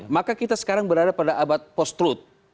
maka kita sekarang berada pada abad post truth